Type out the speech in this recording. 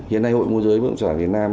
hiện nay hội mô giới vương trả việt nam